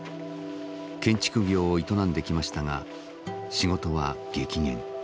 建築業を営んできましたが仕事は激減。